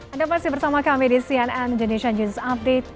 anda masih bersama kami di cnn indonesia news update